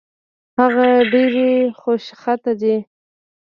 هغه ډېرې خوشخطه دي